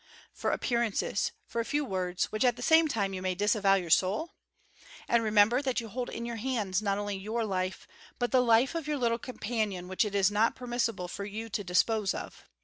For appearances, for a few words, which at the same time you may disavow in your soul? And remember that you hold in your hands not only your life but the life of your little companion which it is not permissible for you to dispose of.